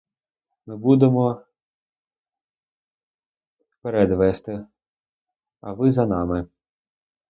Ми будемо перед вести, а ви за нами.